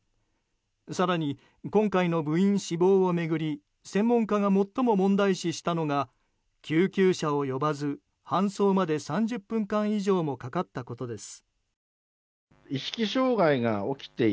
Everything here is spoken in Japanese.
更に今回の部員死亡を巡り専門家が最も問題視したのが救急車を呼ばず搬送まで３０分間以上もかかったことです。